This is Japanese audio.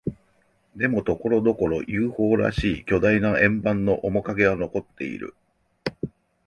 でも、ところどころ、ＵＦＯ らしき巨大な円盤の面影は残っている。